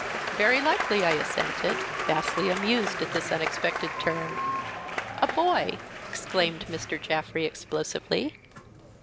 "Very likely," I assented, vastly amused at this unexpected turn. "A Boy!" exclaimed Mr. Jaffrey, explosively.